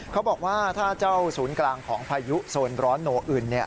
เขาบอกว่าถ้าสูรกลางของพายุโซนร้อนโหนอุ่น